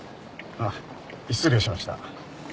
あっ失礼しました。